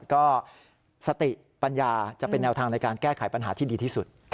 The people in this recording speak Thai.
ก็สติปัญญาจะเป็นแนวทางในการแก้ไขปัญหาที่ดีที่สุด